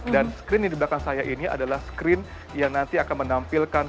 dan screen yang di belakang saya ini adalah screen yang nanti akan menampilkan